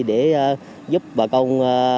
để giúp bà con